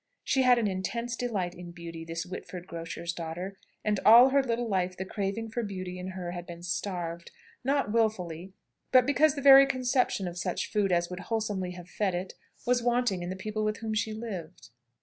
She had an intense delight in beauty, this Whitford grocer's daughter. And all her little life the craving for beauty in her had been starved: not wilfully, but because the very conception of such food as would wholesomely have fed it, was wanting in the people with whom she lived.